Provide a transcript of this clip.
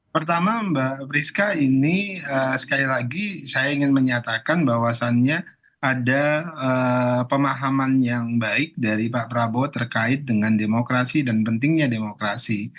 pertama mbak priska ini sekali lagi saya ingin menyatakan bahwasannya ada pemahaman yang baik dari pak prabowo terkait dengan demokrasi dan pentingnya demokrasi